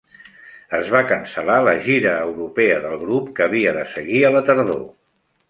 Es va cancel·lar la gira europea del grup que havia de seguir a la tardor.